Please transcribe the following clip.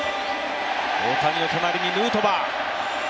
大谷の隣にヌートバー。